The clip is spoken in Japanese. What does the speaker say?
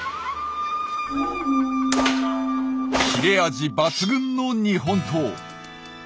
切れ味抜群の日本刀。